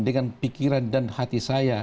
dengan pikiran dan hati saya